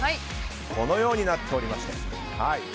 このようになっております。